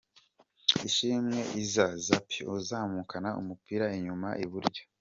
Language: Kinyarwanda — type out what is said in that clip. Ishimwe Issa Zappy azamukana umupira inyuma iburyo.